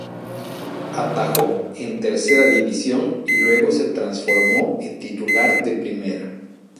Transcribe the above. Atajó en Tercera División y luego se transformó en titular de Primera.